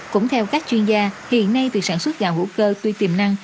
cũng theo các chuyên gia hiện nay việc sản xuất gạo hữu cơ tuy tiềm năng